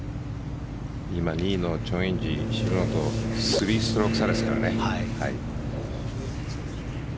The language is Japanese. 今２位のチョン・インジ渋野と３ストローク差ですからね。